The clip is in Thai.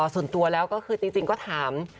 ส่วนตัวแล้วก็คือจริงก็ถาม